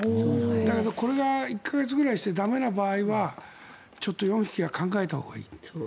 だけど、これが１か月くらいして駄目な場合はちょっと４匹は考えたほうがいい。